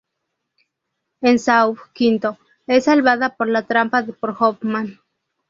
En Saw V, es salvada de la trampa por Hoffman.